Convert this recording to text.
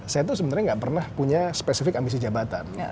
saya itu sebenarnya tidak pernah punya spesifik ambisi jabatan